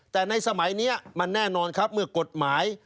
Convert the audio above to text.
แต่ในสมัยนี้มันแน่นอนครับเมื่อกฎหมาย